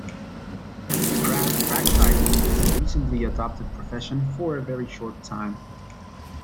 Prat practised his recently adopted profession for a very short time.